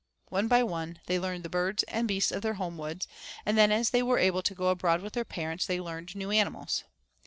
One by one they learned the birds and beasts of their home woods, and then as they were able to go abroad with their parents they learned new animals.